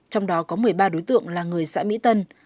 trong đó có một mươi ba đối tượng là người xã mỹ tân